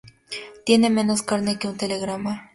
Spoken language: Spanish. Tiene menos carne que un telegrama